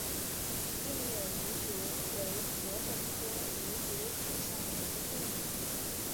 变叶芦竹为禾本科芦竹属下的一个变种。